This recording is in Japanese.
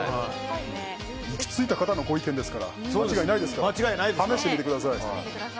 行き着いた方のご意見ですから間違いないですから試してみてください。